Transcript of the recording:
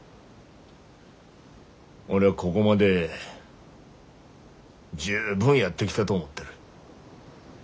俺はこごまで十分やってきたと思ってる。